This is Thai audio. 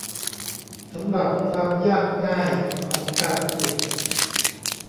สำหรับความยากง่ายของการขุด